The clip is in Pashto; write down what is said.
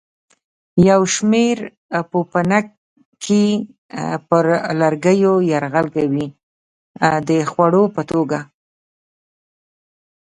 یو شمېر پوپنکي پر لرګیو یرغل کوي د خوړو په توګه.